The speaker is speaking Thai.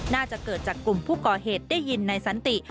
น่าจะเกิดจากกลุ่มผู้ก่อเหตุได้ยินในสันติ